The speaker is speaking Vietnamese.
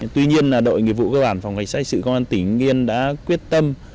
tuy nhiên là đội nghiệp vụ cơ bản phòng hành xét sự công an tỉnh hương yên đã quyết tâm